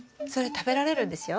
食べられるんですか？